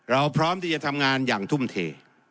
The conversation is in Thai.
พร้อมที่จะทำงานอย่างทุ่มเท